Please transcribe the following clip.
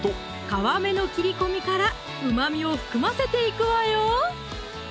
皮目の切り込みからうまみを含ませていくわよ！